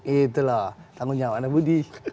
itu loh tanggung jawab anak budi